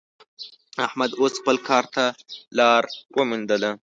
احمد اوس خپل کار ته لاره ومېندله.